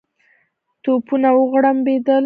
توپونه وغړومبېدل.